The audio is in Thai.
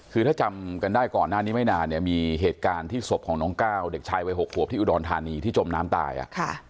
คือถ้าจำกันได้ก่อนหน้านี้ไม่นานเนี่ยมีเหตุการณ์ที่ศพของน้องก้าวเด็กชายวัย๖ขวบที่อุดรธานีที่จมน้ำตายอ่ะค่ะ